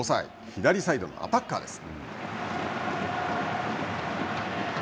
左サイドのアタッカーです。